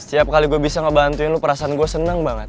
setiap kali gue bisa ngebantuin lu perasaan gue seneng banget